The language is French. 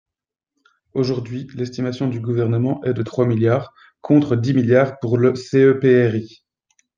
Aujourd’hui, l’estimation du Gouvernement est de trois milliards, contre dix milliards pour le CEPRI.